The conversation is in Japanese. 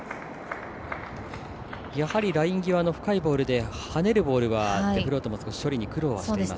やはりライン際の深いボールではねるボールはデフロートも処理に苦労しています。